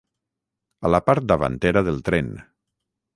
A la part davantera del tren.